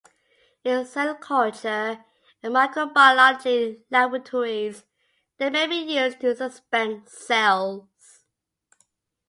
In cell culture and microbiology laboratories they may be used to suspend cells.